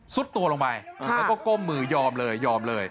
สุดตัวลงไปแล้วก็กมหมือยอมเลย